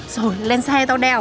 rồi lên xe tao đèo